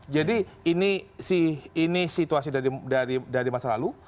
jadi ini situasi dari masa lalu